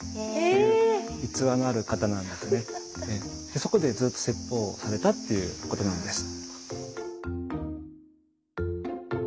でそこでずっと説法をされたっていうことなんです。